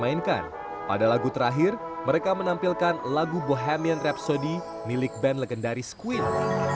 alunan nada syahdu dari marching band bontang membuat penonton terhanyut dalam suasana